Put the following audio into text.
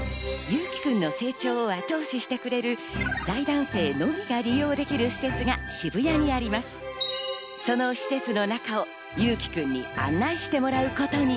侑輝くんの成長を後押ししてくれる財団生のみが利用できる施設が渋谷にあります、その施設の中を侑輝くんに案内してもらうことに。